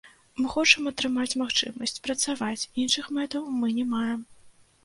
Мы хочам атрымаць магчымасць працаваць, іншых мэтаў мы не маем.